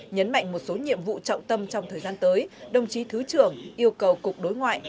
nhấn mạnh một số nhiệm vụ trọng tâm trong thời gian tới đồng chí thứ trưởng yêu cầu cục đối ngoại